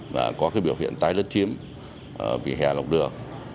và có biểu hiện tái lất chiếm vì hè lòng đường